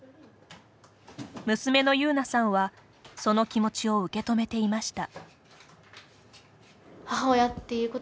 娘の優那さんはその気持ちを受け止めていました。